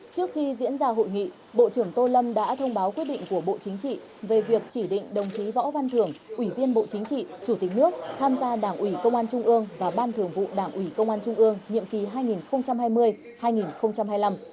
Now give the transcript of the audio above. trước khi diễn ra hội nghị bộ trưởng tô lâm đã thông báo quyết định của bộ chính trị về việc chỉ định đồng chí võ văn thưởng ủy viên bộ chính trị chủ tịch nước tham gia đảng ủy công an trung ương và ban thường vụ đảng ủy công an trung ương nhiệm kỳ hai nghìn hai mươi hai nghìn hai mươi năm